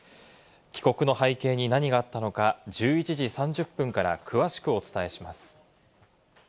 帰国の背景に何があったのか、１１時３０分から詳しくお伝えします。